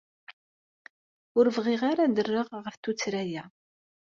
Ur bɣiɣ ara ad d-rreɣ ɣef tuttra-a.